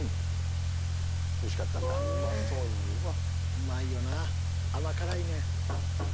うまいよなぁ甘辛いねん。